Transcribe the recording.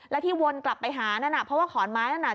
และที่วนกลับไปหานั่นน่ะเพราะว่าขอนไม้นั้นน่ะ